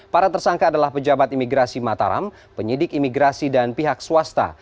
para tersangka adalah pejabat imigrasi mataram penyidik imigrasi dan pihak swasta